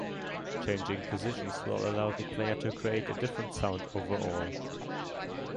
Changing positions will allow the player to create a different sound overall.